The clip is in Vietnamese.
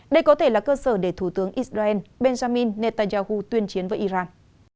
đây có thể là cơ sở để thủ tướng israel benjamin netanyahu tuyên chiến với iran